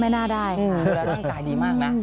แล้วรายกายดีมากนะ